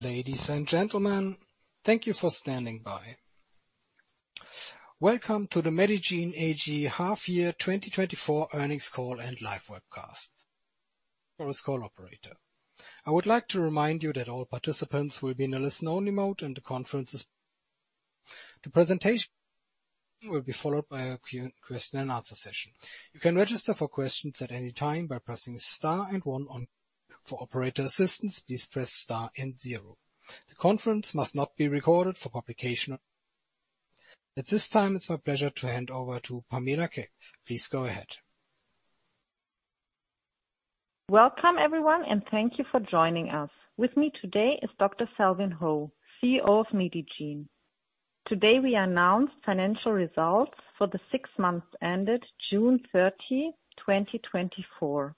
Ladies and gentlemen, thank you for standing by. Welcome to the Medigene AG Half Year 2024 Earnings Call and Live Webcast. For our call operator, I would like to remind you that all participants will be in a listen-only mode. The presentation will be followed by a question and answer session. You can register for questions at any time by pressing star and one. For operator assistance, please press star and zero. The conference must not be recorded for publication. At this time, it's my pleasure to hand over to Pamela Keck. Please go ahead. Welcome, everyone, and thank you for joining us. With me today is Dr. Selwyn Ho, CEO of Medigene. Today, we announce financial results for the six months ended June 30, 2024.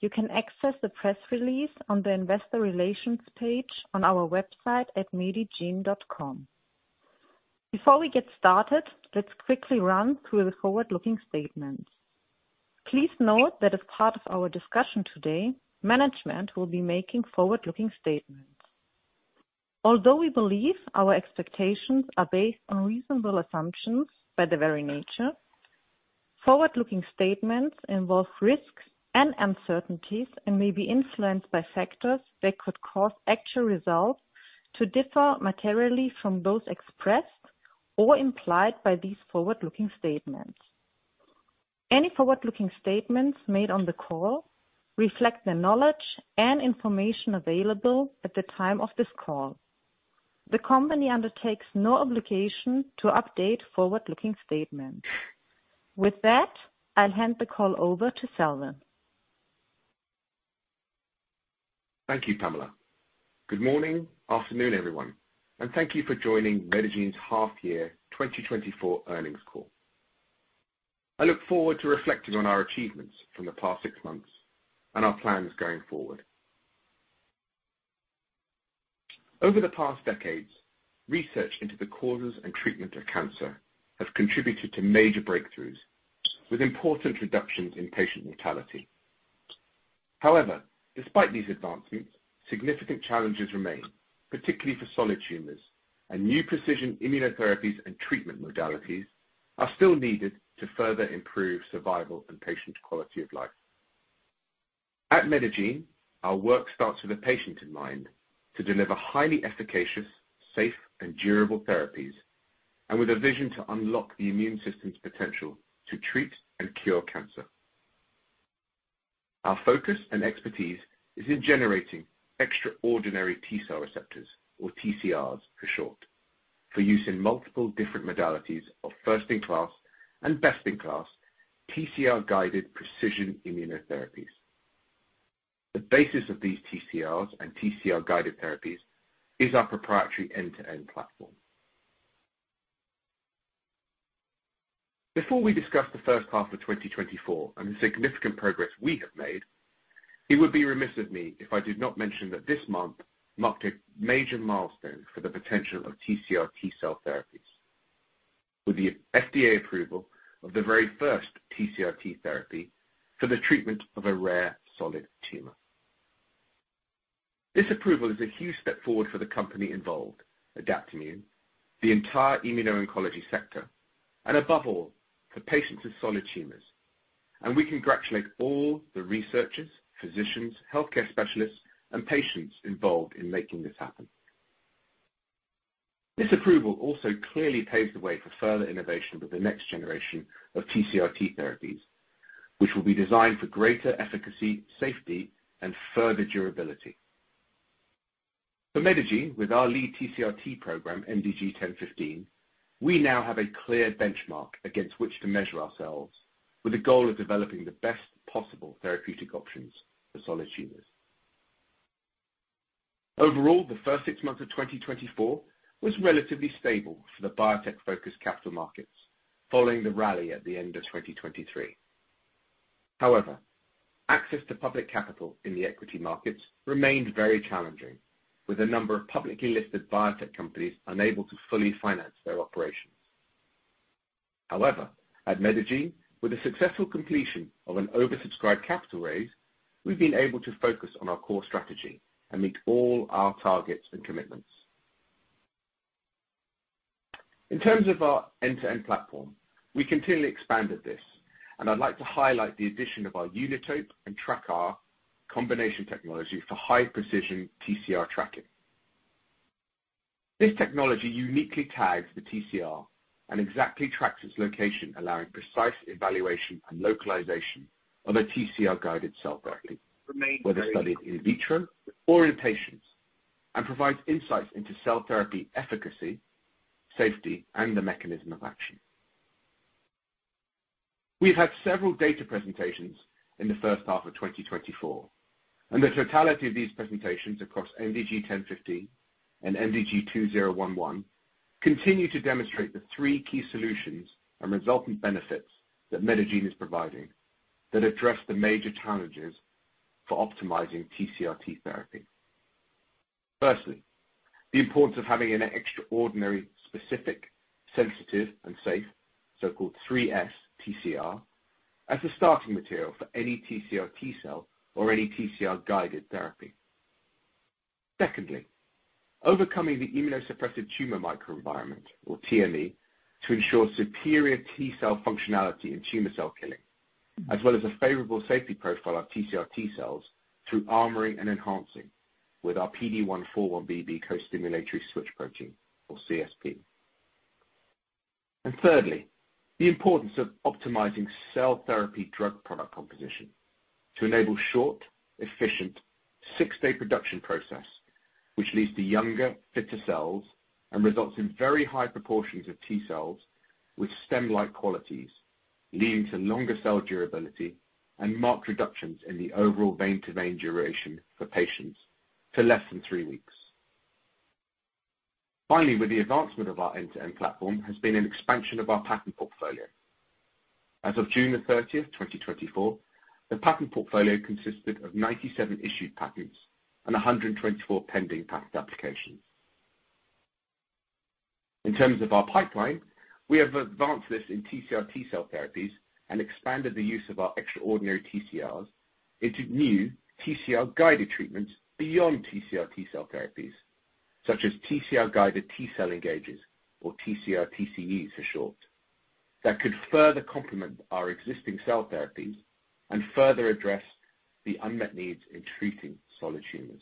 You can access the press release on the Investor Relations page on our website at medigene.com. Before we get started, let's quickly run through the forward-looking statements. Please note that as part of our discussion today, management will be making forward-looking statements. Although we believe our expectations are based on reasonable assumptions by their very nature, forward-looking statements involve risks and uncertainties and may be influenced by factors that could cause actual results to differ materially from those expressed or implied by these forward-looking statements. Any forward-looking statements made on the call reflect the knowledge and information available at the time of this call. The company undertakes no obligation to update forward-looking statements. With that, I'll hand the call over to Selwyn. Thank you, Pamela. Good morning, afternoon, everyone, and thank you for joining Medigene's Half Year 2024 Earnings Call. I look forward to reflecting on our achievements from the past six months and our plans going forward. Over the past decades, research into the causes and treatment of cancer has contributed to major breakthroughs, with important reductions in patient mortality. However, despite these advancements, significant challenges remain, particularly for solid tumors, and new precision immunotherapies and treatment modalities are still needed to further improve survival and patient quality of life. At Medigene, our work starts with the patient in mind to deliver highly efficacious, safe, and durable therapies, and with a vision to unlock the immune system's potential to treat and cure cancer. Our focus and expertise is in generating extraordinary T cell receptors, or TCRs for short, for use in multiple different modalities of first-in-class and best-in-class TCR-guided precision immunotherapies. The basis of these TCRs and TCR-guided therapies is our proprietary end-to-end platform. Before we discuss the first half of 2024 and the significant progress we have made, it would be remiss of me if I did not mention that this month marked a major milestone for the potential of TCR T-cell therapies, with the FDA approval of the very first TCR-T therapy for the treatment of a rare solid tumor. This approval is a huge step forward for the company involved, Adaptimmune, the entire immuno-oncology sector, and above all, for patients with solid tumors, and we congratulate all the researchers, physicians, healthcare specialists, and patients involved in making this happen. This approval also clearly paves the way for further innovation with the next generation of TCR-T therapies, which will be designed for greater efficacy, safety, and further durability. For Medigene, with our lead TCR-T program, MDG1015, we now have a clear benchmark against which to measure ourselves, with the goal of developing the best possible therapeutic options for solid tumors. Overall, the first six months of 2024 was relatively stable for the biotech-focused capital markets, following the rally at the end of 2023. However, access to public capital in the equity markets remained very challenging, with a number of publicly listed biotech companies unable to fully finance their operations. However, at Medigene, with the successful completion of an oversubscribed capital raise, we've been able to focus on our core strategy and meet all our targets and commitments. In terms of our end-to-end platform, we continually expanded this, and I'd like to highlight the addition of our UniTope and TrackR combination technology for high-precision TCR tracking. This technology uniquely tags the TCR and exactly tracks its location, allowing precise evaluation and localization of a TCR-guided cell therapy, whether studied in vitro or in patients, and provides insights into cell therapy efficacy, safety, and the mechanism of action. We've had several data presentations in the first half of 2024, and the totality of these presentations across MDG1015 and MDG2011 continue to demonstrate the three key solutions and resultant benefits that Medigene is providing that address the major challenges for optimizing TCRT therapy. Firstly, the importance of having an extraordinary, specific, sensitive, and safe, so-called 3S TCR-... as a starting material for any TCR T-cell or any TCR-guided therapy. Secondly, overcoming the immunosuppressive tumor microenvironment, or TME, to ensure superior T-cell functionality and tumor cell killing, as well as a favorable safety profile of TCR T-cells through armoring and enhancing with our PD1-41BB costimulatory switch protein, or CSP. And thirdly, the importance of optimizing cell therapy drug product composition to enable short, efficient, 6-day production process, which leads to younger, fitter cells and results in very high proportions of T-cells with stem-like qualities, leading to longer cell durability and marked reductions in the overall vein-to-vein duration for patients to less than 3 weeks. Finally, with the advancement of our end-to-end platform, has been an expansion of our patent portfolio. As of June 30, 2024, the patent portfolio consisted of 97 issued patents and 124 pending patent applications. In terms of our pipeline, we have advanced this in TCR T-cell therapies and expanded the use of our extraordinary TCRs into new TCR-guided treatments beyond TCR T-cell therapies, such as TCR-guided T-cell engagers, or TCR-TCEs for short, that could further complement our existing cell therapies and further address the unmet needs in treating solid tumors.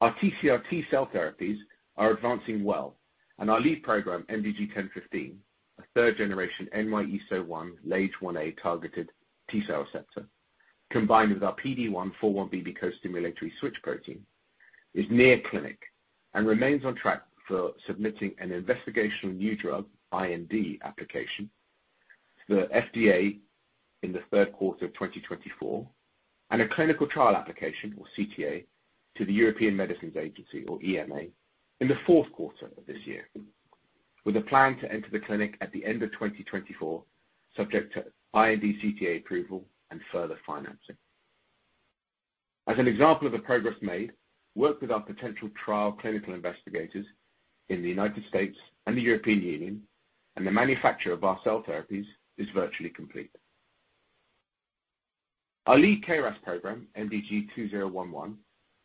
Our TCR T-cell therapies are advancing well, and our lead program, MDG1015, a third generation NY-ESO-1, LAGE-1A targeted T-cell receptor, combined with our PD1-41BB costimulatory switch protein, is near clinic and remains on track for submitting an investigational new drug, IND, application to the FDA in the third quarter of 2024, and a clinical trial application, or CTA, to the European Medicines Agency, or EMA, in the fourth quarter of this year, with a plan to enter the clinic at the end of 2024, subject to IND CTA approval and further financing. As an example of the progress made, work with our potential trial clinical investigators in the United States and the European Union, and the manufacture of our cell therapies is virtually complete. Our lead KRAS program, MDG2011,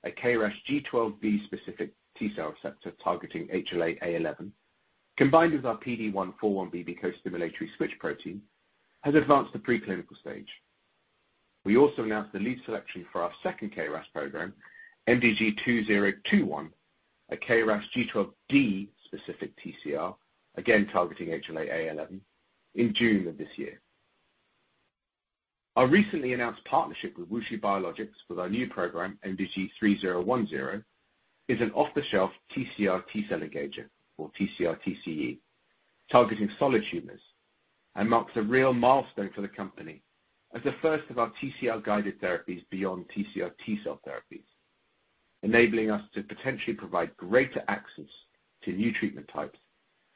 a KRAS G12V specific T-cell receptor targeting HLA-A11, combined with our PD1-41BB costimulatory switch protein, has advanced to preclinical stage. We also announced the lead selection for our second KRAS program, MDG2021, a KRAS G12D specific TCR, again, targeting HLA-A11, in June of this year. Our recently announced partnership with WuXi Biologics for our new program, MDG3010, is an off-the-shelf TCR T-cell engager, or TCR-TCE, targeting solid tumors, and marks a real milestone for the company as the first of our TCR-guided therapies beyond TCR T-cell therapies, enabling us to potentially provide greater access to new treatment types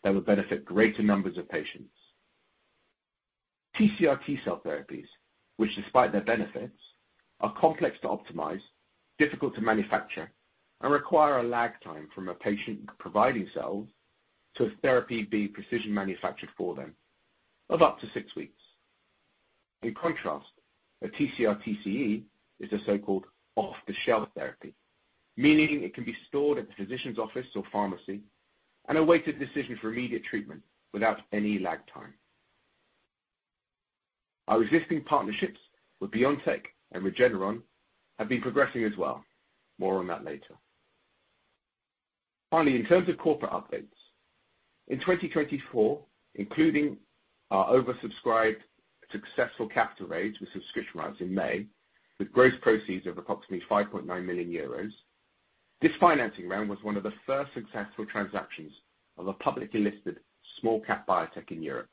that will benefit greater numbers of patients. TCR T-cell therapies, which despite their benefits, are complex to optimize, difficult to manufacture, and require a lag time from a patient providing cells to a therapy being precision manufactured for them, of up to 6 weeks. In contrast, a TCR-TCE is a so-called off-the-shelf therapy, meaning it can be stored at the physician's office or pharmacy and awaited decision for immediate treatment without any lag time. Our existing partnerships with BioNTech and Regeneron have been progressing as well. More on that later. Finally, in terms of corporate updates, in 2024, including our oversubscribed successful capital raise with subscription rights in May, with gross proceeds of approximately 5.9 million euros, this financing round was one of the first successful transactions of a publicly listed small cap biotech in Europe,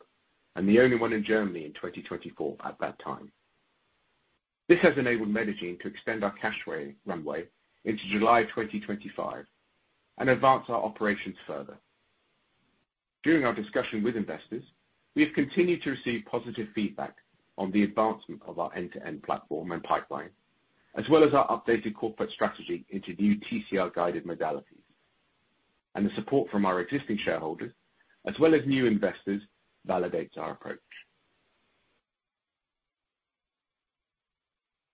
and the only one in Germany in 2024 at that time. This has enabled Medigene to extend our cash runway into July 2025 and advance our operations further. During our discussion with investors, we have continued to receive positive feedback on the advancement of our end-to-end platform and pipeline, as well as our updated corporate strategy into new TCR-guided modalities. The support from our existing shareholders, as well as new investors, validates our approach.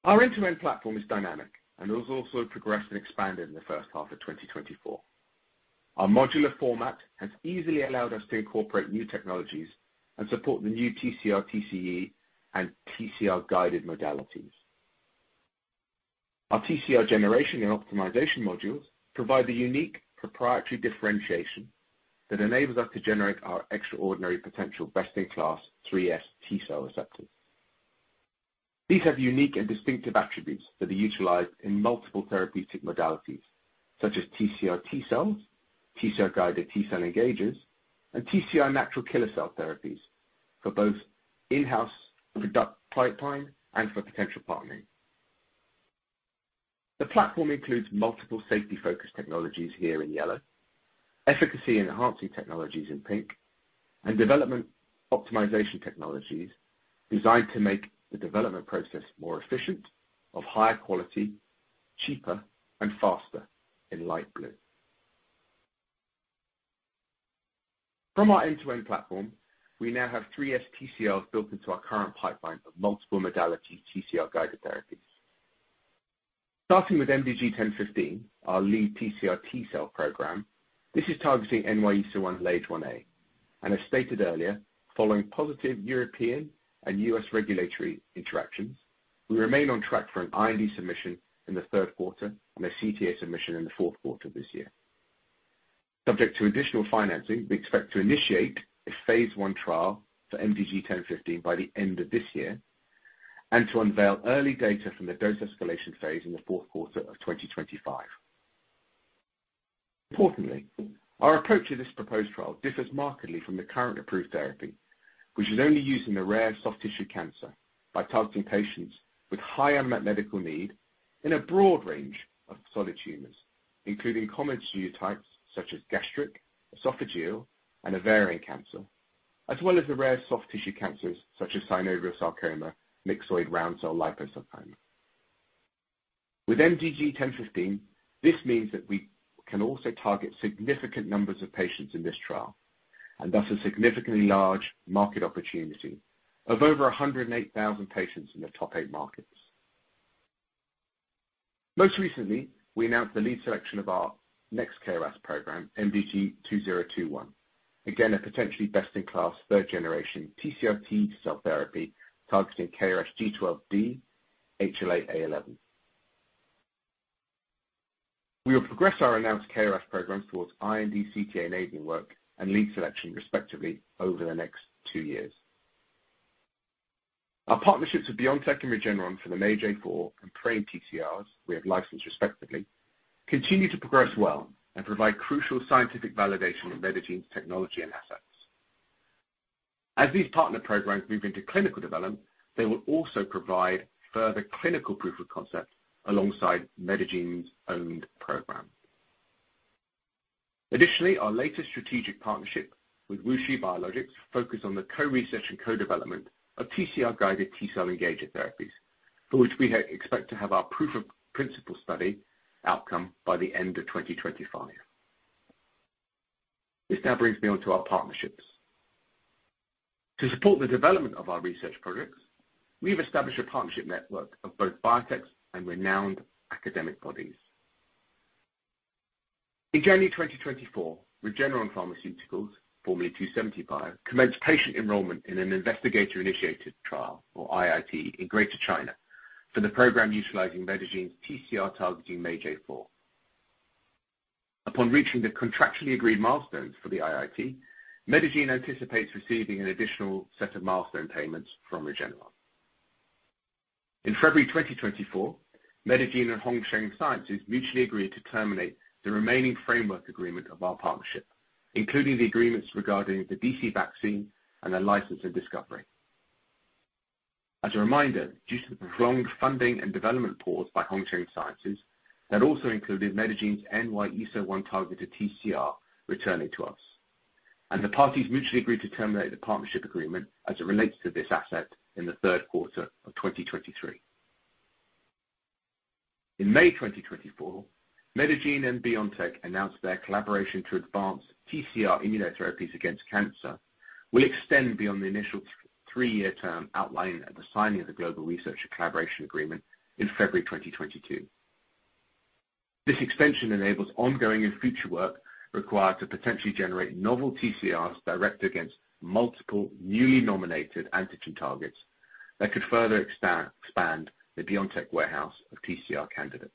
Our end-to-end platform is dynamic and has also progressed and expanded in the first half of 2024. Our modular format has easily allowed us to incorporate new technologies and support the new TCR-TCE and TCR-guided modalities. Our TCR generation and optimization modules provide the unique proprietary differentiation that enables us to generate our extraordinary potential best-in-class 3S T-cell receptors. These have unique and distinctive attributes that are utilized in multiple therapeutic modalities, such as TCR T-cells, TCR-guided T-cell engagers, and TCR natural killer cell therapies for both in-house product pipeline and for potential partnering. The platform includes multiple safety-focused technologies here in yellow, efficacy and enhancing technologies in pink, and development optimization technologies designed to make the development process more efficient, of higher quality, cheaper, and faster in light blue. From our end-to-end platform, we now have 3S TCRs built into our current pipeline of multiple modality TCR-guided therapies. Starting with MDG1015, our lead TCR T-cell program, this is targeting NY-ESO-1/LAGE-1A, and as stated earlier, following positive European and U.S. regulatory interactions, we remain on track for an IND submission in the third quarter and a CTA submission in the fourth quarter of this year. Subject to additional financing, we expect to initiate a phase I trial for MDG1015 by the end of this year, and to unveil early data from the dose escalation phase in the fourth quarter of 2025. Importantly, our approach to this proposed trial differs markedly from the current approved therapy, which is only used in the rare soft tissue cancer, by targeting patients with higher medical need in a broad range of solid tumors, including common phenotypes such as gastric, esophageal, and ovarian cancer, as well as the rare soft tissue cancers such as synovial sarcoma, myxoid round cell liposarcoma. With MDG1015, this means that we can also target significant numbers of patients in this trial, and thus a significantly large market opportunity of over 108,000 patients in the top eight markets. Most recently, we announced the lead selection of our next KRAS program, MDG2021. Again, a potentially best-in-class, third generation TCR T-cell therapy targeting KRAS G12D, HLA-A11. We will progress our announced KRAS program towards IND/CTA-enabling work and lead selection, respectively, over the next 2 years. Our partnerships with BioNTech and Regeneron for the MAGE-A4 and PRAME TCRs, we have licensed respectively, continue to progress well and provide crucial scientific validation of Medigene's technology and assets. As these partner programs move into clinical development, they will also provide further clinical proof of concept alongside Medigene's owned program. Additionally, our latest strategic partnership with WuXi Biologics, focused on the co-research and co-development of TCR-guided T-cell engager therapies, for which we expect to have our proof of principle study outcome by the end of 2025. This now brings me on to our partnerships. To support the development of our research projects, we've established a partnership network of both biotechs and renowned academic bodies. In January 2024, Regeneron Pharmaceuticals, formerly 2seventy bio, commenced patient enrollment in an investigator-initiated trial, or IIT, in Greater China for the program utilizing Medigene's TCR targeting MAGE-A4. Upon reaching the contractually agreed milestones for the IIT, Medigene anticipates receiving an additional set of milestone payments from Regeneron. In February 2024, Medigene and HongSheng Sciences mutually agreed to terminate the remaining framework agreement of our partnership, including the agreements regarding the DC vaccine and the license of discovery. As a reminder, due to the prolonged funding and development pause by HongSheng Sciences, that also included Medigene's NY-ESO-1 targeted TCR returning to us, and the parties mutually agreed to terminate the partnership agreement as it relates to this asset in the third quarter of 2023. In May 2024, Medigene and BioNTech announced their collaboration to advance TCR immunotherapies against cancer, will extend beyond the initial three-year term outlined at the signing of the Global Research and Collaboration Agreement in February 2022. This extension enables ongoing and future work required to potentially generate novel TCRs directed against multiple, newly nominated antigen targets, that could further expand the BioNTech warehouse of TCR candidates.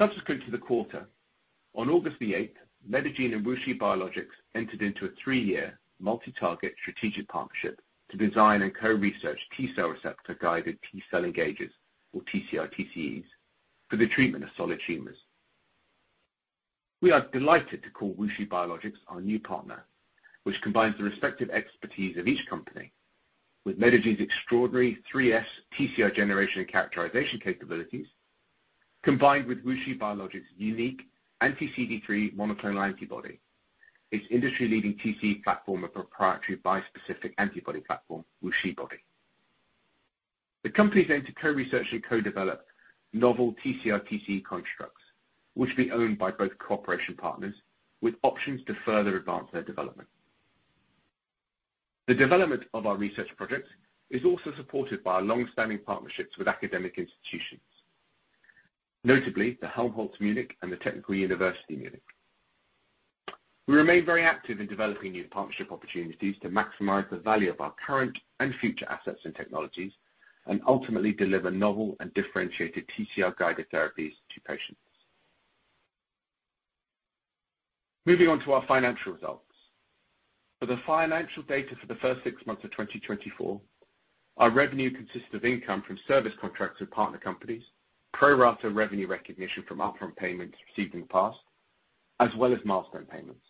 Subsequent to the quarter, on August 8, Medigene and WuXi Biologics entered into a three-year multi-target strategic partnership to design and co-research T-cell receptor guided T-cell engagers, or TCR TCEs, for the treatment of solid tumors. We are delighted to call WuXi Biologics our new partner, which combines the respective expertise of each company with Medigene's extraordinary 3S TCR generation and characterization capabilities, combined with WuXi Biologics' unique anti-CD3 monoclonal antibody, its industry-leading TCE platform, a proprietary bispecific antibody platform, WuXiBody. The company is going to co-research and co-develop novel TCR-TCE constructs, which will be owned by both cooperation partners, with options to further advance their development. The development of our research projects is also supported by our long-standing partnerships with academic institutions, notably the Helmholtz Munich and the Technical University of Munich. We remain very active in developing new partnership opportunities to maximize the value of our current and future assets and technologies, and ultimately deliver novel and differentiated TCR-guided therapies to patients. Moving on to our financial results. For the financial data for the first six months of 2024, our revenue consists of income from service contracts with partner companies, pro rata revenue recognition from upfront payments received in the past, as well as milestone payments.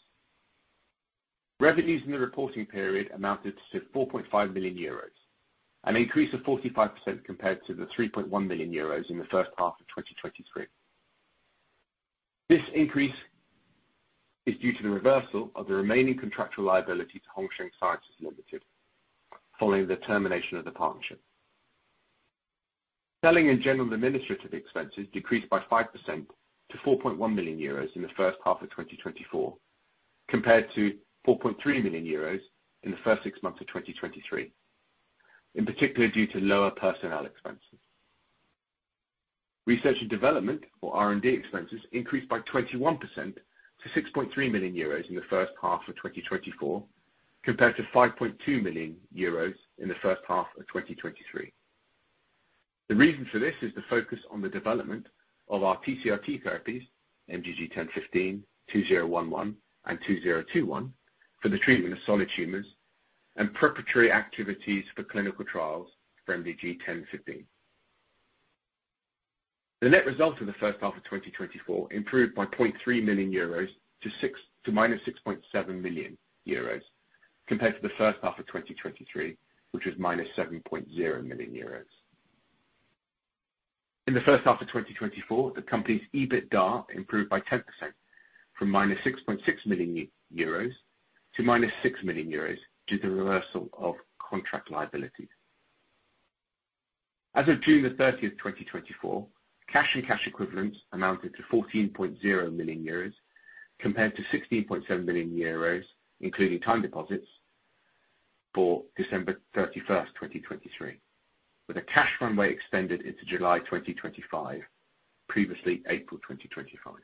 Revenues in the reporting period amounted to 4.5 million euros, an increase of 45% compared to the 3.1 million euros in the first half of 2023. This increase is due to the reversal of the remaining contractual liability to HongSheng Sciences HK Limited, following the termination of the partnership.... Selling and general administrative expenses decreased by 5% to 4.1 million euros in the first half of 2024, compared to 4.3 million euros in the first six months of 2023, in particular, due to lower personnel expenses. Research and development, or R&D expenses, increased by 21% to 6.3 million euros in the first half of 2024, compared to 5.2 million euros in the first half of 2023. The reason for this is the focus on the development of our TCR-T therapies, MDG1015, MDG2011, and MDG2021, for the treatment of solid tumors, and preparatory activities for clinical trials for MDG1015. The net result of the first half of 2024 improved by 0.3 million-6.7 million euros, compared to the first half of 2023, which was -7.0 million euros. In the first half of 2024, the company's EBITDA improved by 10% from -6.6 million-6 million euros, due to the reversal of contract liabilities. As of June 30, 2024, cash and cash equivalents amounted to 14.0 million euros, compared to 16.7 million euros, including time deposits for December 31, 2023, with a cash runway extended into July 2025, previously April 2025.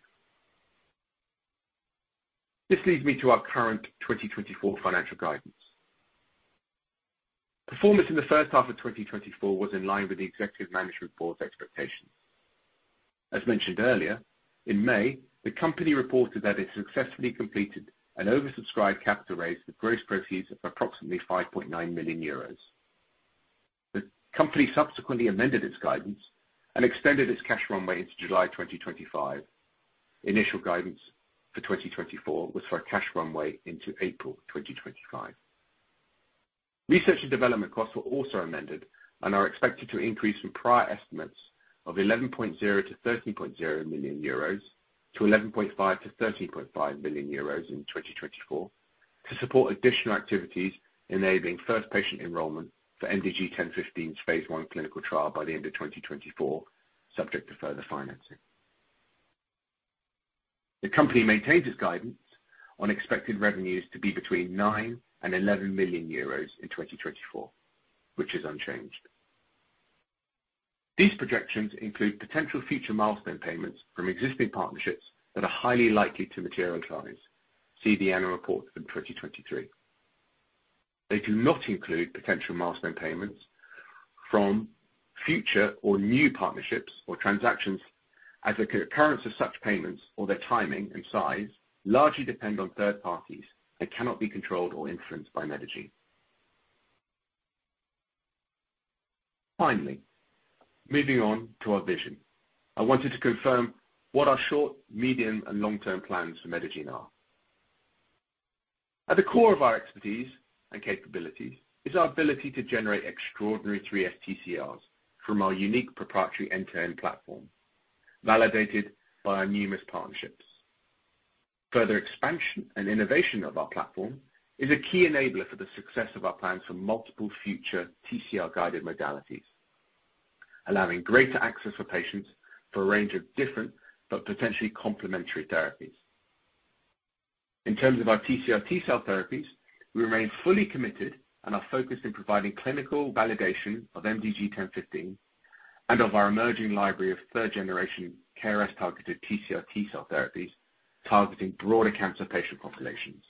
This leads me to our current 2024 financial guidance. Performance in the first half of 2024 was in line with the executive management board's expectations. As mentioned earlier, in May, the company reported that it successfully completed an oversubscribed capital raise with gross proceeds of approximately 5.9 million euros. The company subsequently amended its guidance and extended its cash runway into July 2025. Initial guidance for 2024 was for a cash runway into April 2025. Research and development costs were also amended and are expected to increase from prior estimates of 11.0 million-13.0 million euros-EUR 11.5 million-EUR 13.5 million in 2024, to support additional activities enabling first patient enrollment for MDG1015's phase I clinical trial by the end of 2024, subject to further financing. The company maintains its guidance on expected revenues to be between 9 million and 11 million euros in 2024, which is unchanged. These projections include potential future milestone payments from existing partnerships that are highly likely to materialize. See the annual report for 2023. They do not include potential milestone payments from future or new partnerships or transactions, as the occurrence of such payments or their timing and size largely depend on third parties and cannot be controlled or influenced by Medigene. Finally, moving on to our vision. I wanted to confirm what our short, medium, and long-term plans for Medigene are. At the core of our expertise and capabilities is our ability to generate extraordinary 3S TCRs from our unique proprietary end-to-end platform, validated by our numerous partnerships. Further expansion and innovation of our platform is a key enabler for the success of our plans for multiple future TCR-guided modalities, allowing greater access for patients for a range of different but potentially complementary therapies. In terms of our TCR-T cell therapies, we remain fully committed and are focused in providing clinical validation of MDG1015, and of our emerging library of third-generation KRAS-targeted TCR-T cell therapies, targeting broader cancer patient populations.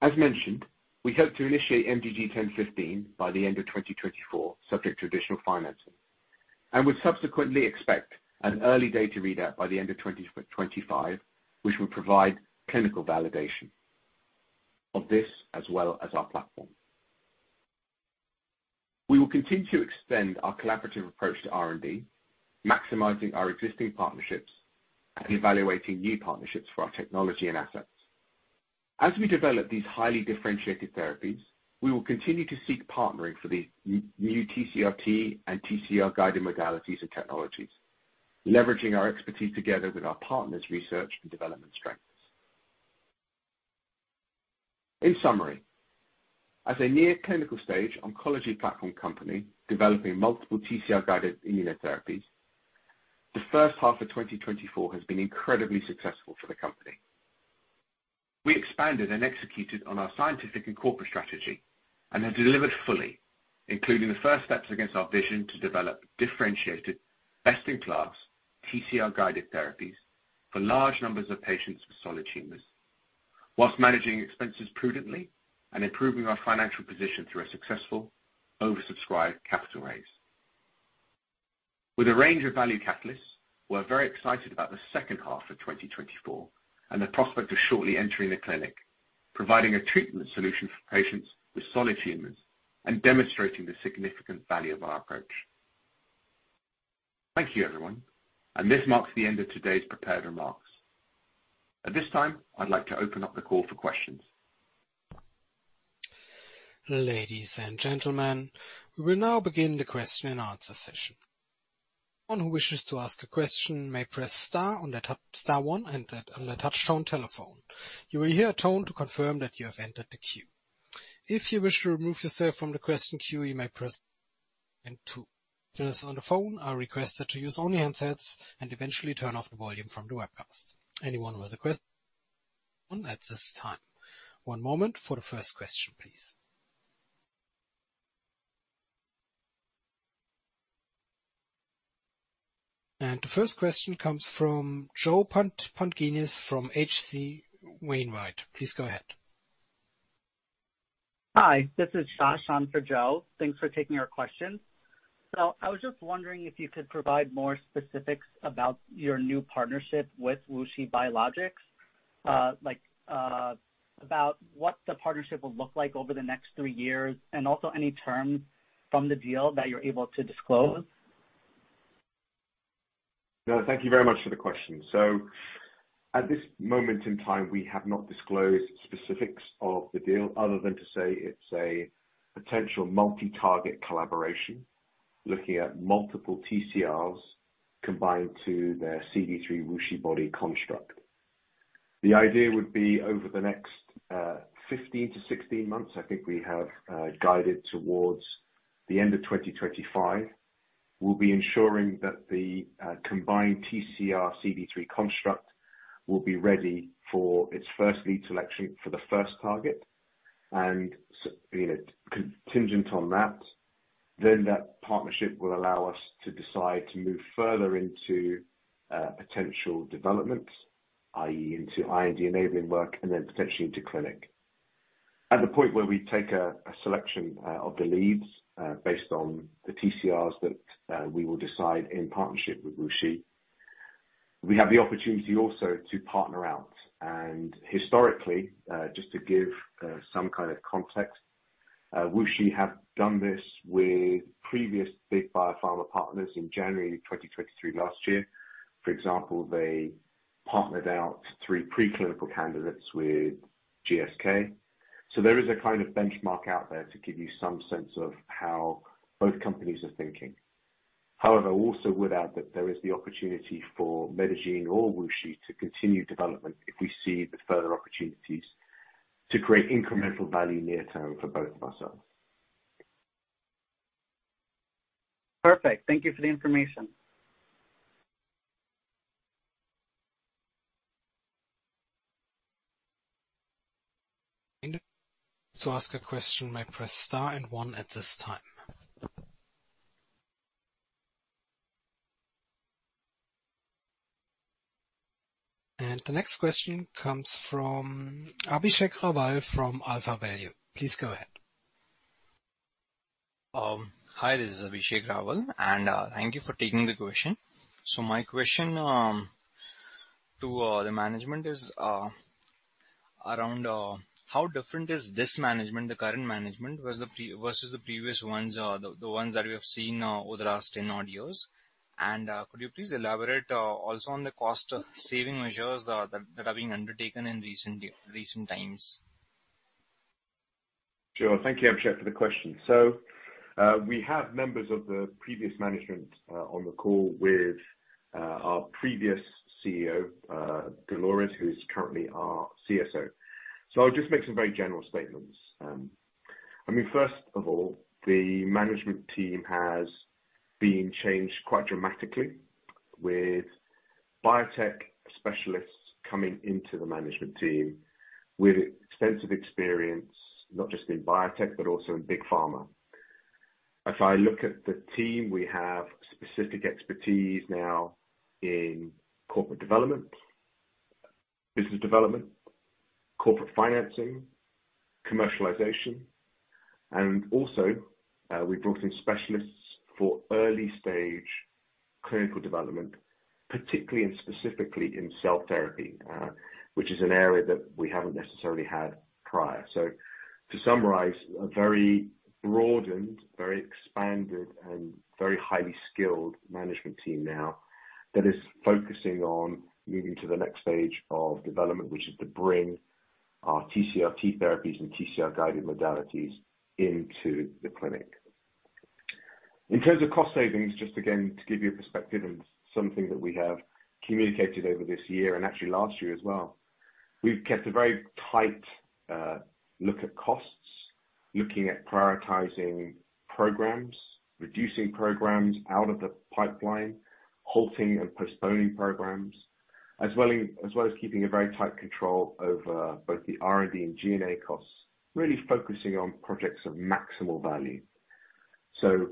As mentioned, we hope to initiate MDG1015 by the end of 2024, subject to additional financing, and would subsequently expect an early data readout by the end of 2025, which will provide clinical validation of this as well as our platform. We will continue to extend our collaborative approach to R&D, maximizing our existing partnerships and evaluating new partnerships for our technology and assets. As we develop these highly differentiated therapies, we will continue to seek partnering for these new TCR-T and TCR guided modalities and technologies, leveraging our expertise together with our partners' research and development strengths. In summary, as a near-clinical stage oncology platform company developing multiple TCR-guided immunotherapies, the first half of 2024 has been incredibly successful for the company. We expanded and executed on our scientific and corporate strategy and have delivered fully, including the first steps against our vision to develop differentiated, best-in-class, TCR-guided therapies for large numbers of patients with solid tumors, while managing expenses prudently and improving our financial position through a successful oversubscribed capital raise. With a range of value catalysts, we're very excited about the second half of 2024 and the prospect of shortly entering the clinic, providing a treatment solution for patients with solid tumors and demonstrating the significant value of our approach. Thank you, everyone, and this marks the end of today's prepared remarks. At this time, I'd like to open up the call for questions. Ladies and gentlemen, we will now begin the question and answer session. Anyone who wishes to ask a question may press star one on their touchtone telephone. You will hear a tone to confirm that you have entered the queue. If you wish to remove yourself from the question queue, you may press star two. Those on the phone are requested to use only handsets and eventually turn off the volume from the webcast. Anyone with a question at this time. One moment for the first question, please. The first question comes from Joe Pantginis from H.C. Wainwright. Please go ahead. Hi, this is Sha, in for Joe. Thanks for taking our questions. So I was just wondering if you could provide more specifics about your new partnership with WuXi Biologics, like, about what the partnership will look like over the next three years, and also any terms from the deal that you're able to disclose. No, thank you very much for the question. So at this moment in time, we have not disclosed specifics of the deal, other than to say it's a potential multi-target collaboration, looking at multiple TCRs combined to their CD3 WuXiBody construct. The idea would be over the next 15-16 months, I think we have guided towards the end of 2025. We'll be ensuring that the combined TCR CD3 construct will be ready for its first lead selection for the first target, and you know, contingent on that, then that partnership will allow us to decide to move further into potential development, i.e., into IND-enabling work and then potentially into clinic. At the point where we take a selection of the leads based on the TCRs that we will decide in partnership with WuXi, we have the opportunity also to partner out. And historically, just to give some kind of context, WuXi have done this with previous big biopharma partners in January 2023 last year. For example, they partnered out three preclinical candidates with GSK. So there is a kind of benchmark out there to give you some sense of how both companies are thinking. However, I also would add that there is the opportunity for Medigene or WuXi to continue development if we see the further opportunities to create incremental value near-term for both of ourselves. Perfect. Thank you for the information. To ask a question, you may press star and one at this time. The next question comes from Abhishek Rawal from AlphaValue. Please go ahead. Hi, this is Abhishek Raval, and thank you for taking the question. So my question to the management is around how different is this management, the current management, versus the previous ones, the ones that we have seen over the last 10 odd years? And could you please elaborate also on the cost saving measures that are being undertaken in recent times? Sure. Thank you, Abhishek, for the question. So, we have members of the previous management on the call with our previous CEO, Dolores, who is currently our CSO. So I'll just make some very general statements. I mean, first of all, the management team has been changed quite dramatically, with biotech specialists coming into the management team with extensive experience, not just in biotech, but also in big pharma. If I look at the team, we have specific expertise now in corporate development, business development, corporate financing, commercialization, and also, we've brought in specialists for early-stage clinical development, particularly and specifically in cell therapy, which is an area that we haven't necessarily had prior. So to summarize, a very broadened, very expanded, and very highly skilled management team now, that is focusing on moving to the next stage of development, which is to bring our TCR T therapies and TCR-guided modalities into the clinic. In terms of cost savings, just again, to give you a perspective and something that we have communicated over this year, and actually last year as well, we've kept a very tight look at costs, looking at prioritizing programs, reducing programs out of the pipeline, halting and postponing programs, as well as keeping a very tight control over both the R&D and G&A costs, really focusing on projects of maximal value. So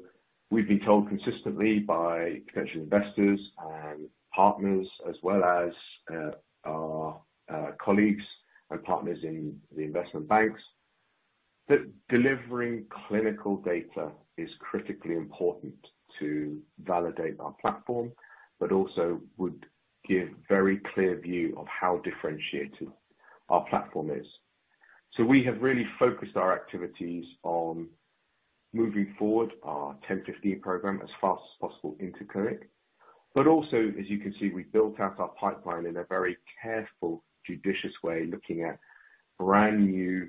we've been told consistently by potential investors and partners, as well as our colleagues and partners in the investment banks, that delivering clinical data is critically important to validate our platform, but also would give very clear view of how differentiated our platform is. So we have really focused our activities on moving forward our MDG1015 program as fast as possible into clinic. But also, as you can see, we've built out our pipeline in a very careful, judicious way, looking at brand new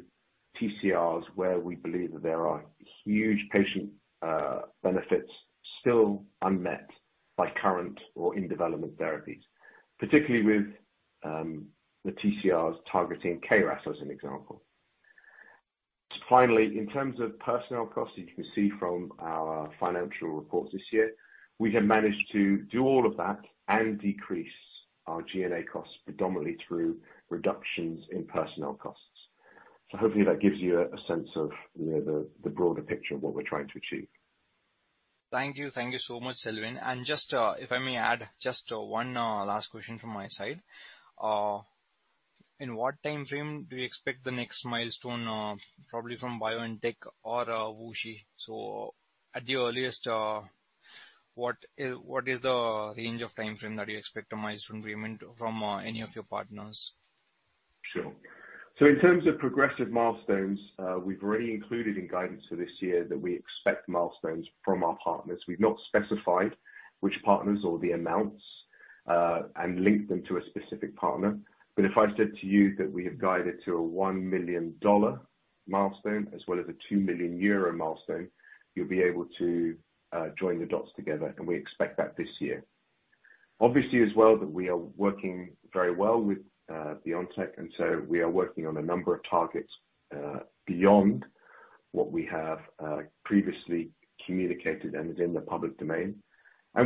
TCRs, where we believe that there are huge patient benefits still unmet by current or in-development therapies, particularly with the TCRs targeting KRAS, as an example. Finally, in terms of personnel costs, you can see from our financial reports this year, we have managed to do all of that and decrease our G&A costs, predominantly through reductions in personnel costs. Hopefully that gives you a sense of, you know, the broader picture of what we're trying to achieve. Thank you. Thank you so much, Selwyn. And just, if I may add just, one last question from my side. In what time frame do you expect the next milestone, probably from BioNTech or, WuXi? So at the earliest, what is, what is the range of time frame that you expect a milestone payment from, any of your partners? Sure. So in terms of progressive milestones, we've already included in guidance for this year that we expect milestones from our partners. We've not specified which partners or the amounts, and linked them to a specific partner. But if I said to you that we have guided to a $1 million milestone, as well as a 2 million euro milestone, you'll be able to join the dots together, and we expect that this year. Obviously, as well, that we are working very well with BioNTech, and so we are working on a number of targets, beyond what we have previously communicated and is in the public domain.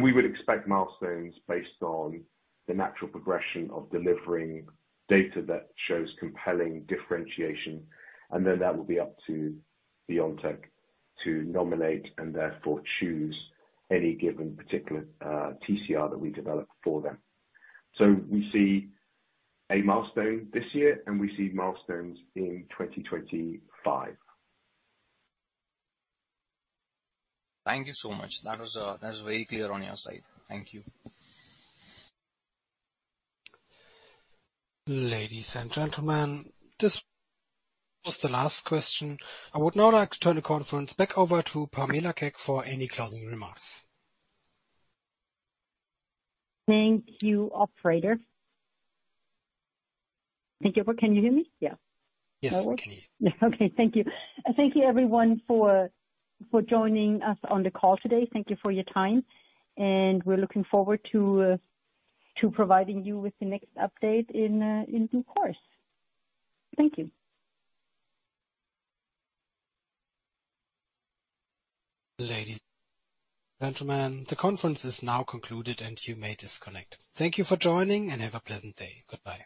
We would expect milestones based on the natural progression of delivering data that shows compelling differentiation, and then that will be up to BioNTech to nominate and therefore choose any given particular TCR that we develop for them. We see a milestone this year, and we see milestones in 2025. Thank you so much. That was very clear on your side. Thank you. Ladies and gentlemen, this was the last question. I would now like to turn the conference back over to Pamela Keck for any closing remarks. Thank you, operator. Thank you. Can you hear me? Yeah. Yes, we can. Okay, thank you. Thank you everyone for joining us on the call today. Thank you for your time, and we're looking forward to providing you with the next update in due course. Thank you. Ladies and gentlemen, the conference is now concluded, and you may disconnect. Thank you for joining, and have a pleasant day. Goodbye.